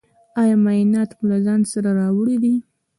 ایا معاینات مو له ځان سره راوړي دي؟